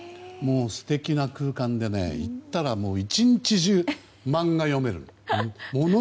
素敵な空間で行ったら１日中漫画を読める。